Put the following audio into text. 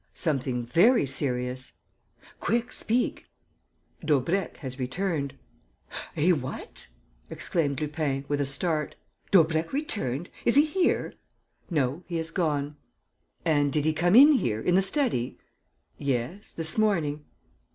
"Something very serious." "Quick, speak." "Daubrecq has returned." "Eh, what!" exclaimed Lupin, with a start. "Daubrecq returned? Is he here?" "No, he has gone." "And did he come in here, in the study?" "Yes." "This morning."